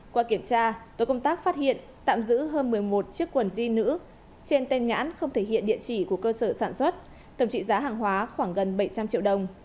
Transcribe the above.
qua kiểm tra tổ công tác phát hiện tạm giữ hơn một mươi một chiếc quần di nữ trên tên nhãn không thể hiện địa chỉ của cơ sở sản xuất tổng trị giá hàng hóa khoảng gần bảy trăm linh triệu đồng